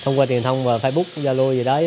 thông qua tiền thông và facebook gia lô gì đấy